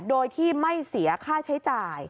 โดยที่ไม่เสียค่าใช้จ่าย